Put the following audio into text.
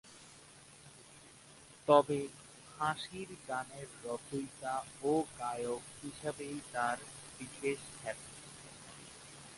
তবে হাসির গানের রচয়িতা ও গায়ক হিসাবেই তার বিশেষ খ্যাতি।